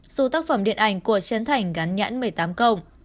số tác phẩm điện ảnh của trấn thành gắn nhãn một mươi tám